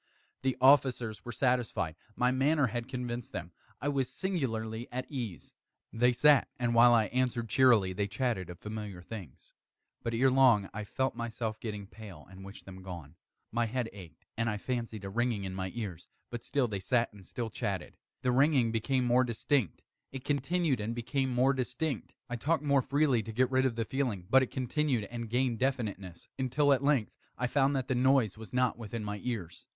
The officers were satisfied. My manner had convinced them. I was singularly at ease. They sat, and while I answered cheerily, they chatted of familiar things. But, ere long, I felt myself getting pale and wished them gone. My head ached, and I fancied a ringing in my ears: but still they sat and still chatted. The ringing became more distinct: It continued and became more distinct: I talked more freely to get rid of the feeling: but it continued and gained definiteness until, at length, I found that the noise was not within my ears.